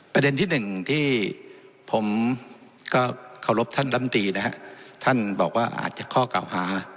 ประเด็นที่หนึ่งที่ผมก็เคารพท่านลำตีนะฮะท่านบอกว่าอาจจะข้อเก่าหา